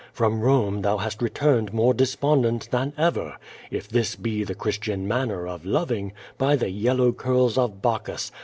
From Rome thou hast re turned more despondent than ever. If this be the Christian manner of loving, by the yellow curls of Bacchus!